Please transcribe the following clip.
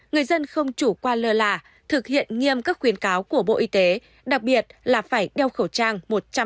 người dân không chủ quan lơ là thực hiện nghiêm các khuyến cáo của bộ y tế đặc biệt là phải đeo khẩu trang một trăm linh